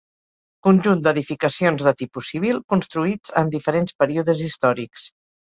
Conjunt d'edificacions de tipus civil, construïts en diferents períodes històrics.